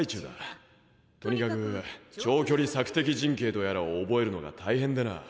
とにかく長距離索敵陣形とやらを覚えるのが大変でな。